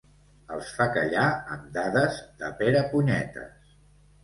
Els fa callar amb dades de perepunyetes.